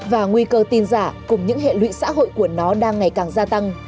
và nguy cơ tin giả cùng những hệ lụy xã hội của nó đang ngày càng gia tăng